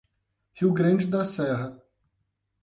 Rio Grande da Serra